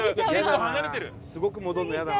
すごく戻るのイヤだな。